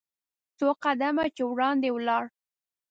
څو قدمه چې وړاندې ولاړ .